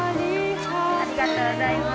ありがとうございます。